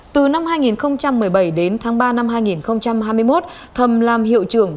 từ năm hai nghìn một mươi bảy đến tháng ba năm hai nghìn hai mươi một thầm làm hiệu trưởng